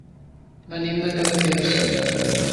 Venim de Cadaqués.